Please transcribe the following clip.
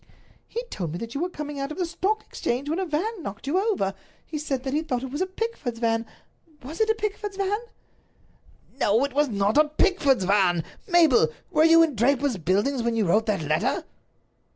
"He told me that you were coming out of the Stock Exchange when a van knocked you over. He said that he thought it was a Pickford's van—was it a Pickford's van?" "No, it was not a Pickford's van. Mabel, were you in Draper's Buildings when you wrote that letter?"